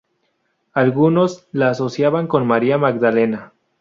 Algunos la asociaban con María Magdalena.